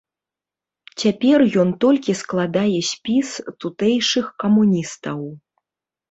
Цяпер ён толькі складае спіс тутэйшых камуністаў.